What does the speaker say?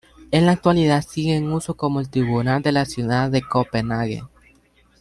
En la actualidad sigue en uso como el tribunal de la ciudad de Copenhague.